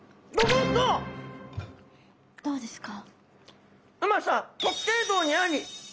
どうですか？